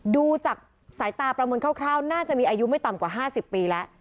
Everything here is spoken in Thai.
ดูจากสายตาประเมินคร่าวน่าจะมีอายุไม่ต่ำกว่า๕๐ปีแล้ว